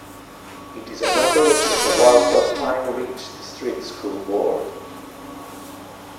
It is a member of the Kawartha Pine Ridge District School Board.